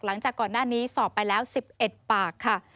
หลังจากก่อนหน้านี้สอบไปแล้ว๑๑ปากค่ะ